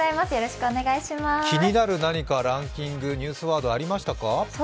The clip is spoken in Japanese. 気になる何かランキング、ニュースワードありましたか？